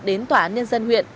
đến tòa án nhân dân huyện